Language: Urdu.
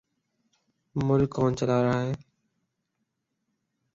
ملک کون چلا رہا ہے؟